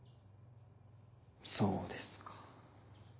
そうですか。